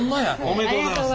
おめでとうございます。